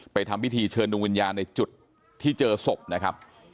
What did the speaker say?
ทำพิธีเชิญดวงวิญญาณในจุดที่เจอศพนะครับ